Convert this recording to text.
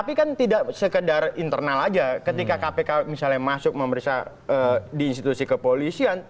tapi kan tidak sekedar internal saja ketika kpk misalnya masuk memeriksa di institusi kepolisian